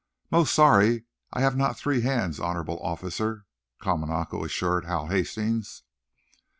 "Most sorry I have not three hands, honorable officer," Kamanako assured Hal Hastings.